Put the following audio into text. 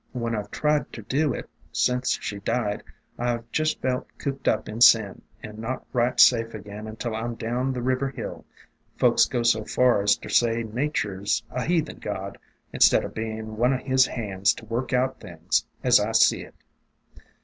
When I 've tried ter do it sense she died, I 've jest felt cooped up in sin, and not right safe again until I 'm down the river hill. Folks go so far as ter say Natur' 's a heathen god, instead o' bein' one o' His hands to work out things, as I see it.'